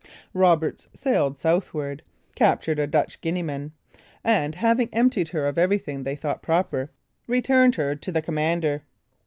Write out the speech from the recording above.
Roberts sailed southward, captured a Dutch Guineaman, and, having emptied her of everything they thought proper, returned her to the commander.